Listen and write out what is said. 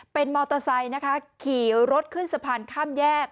เป็นมอเตอร์ไซค์นะคะขี่รถขึ้นสะพานข้ามแยก